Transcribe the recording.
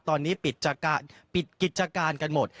ตอนนี้ปิดกิจการกันหมด